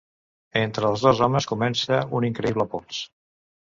Entre els dos homes comença un increïble pols.